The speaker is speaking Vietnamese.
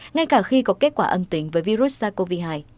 ngay cả khi có kết quả âm tính với virus sars cov hai